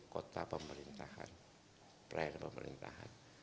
kota pemerintahan perayaan pemerintahan